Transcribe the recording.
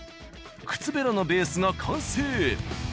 靴べらのベースが完成。